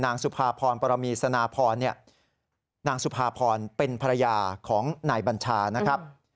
สุภาพรปรมีสนาพรนางสุภาพรเป็นภรรยาของนายบัญชานะครับ